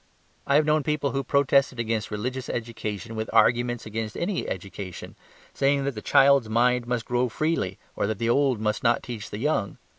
I have known people who protested against religious education with arguments against any education, saying that the child's mind must grow freely or that the old must not teach the young.